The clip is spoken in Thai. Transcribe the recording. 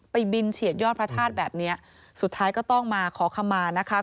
บินเฉียดยอดพระธาตุแบบเนี้ยสุดท้ายก็ต้องมาขอคำมานะคะ